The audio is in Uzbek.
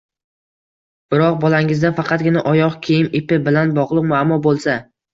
Biroq bolangizda faqatgina oyoq kiyim ipi bilan bog‘liq muammo bo‘lsa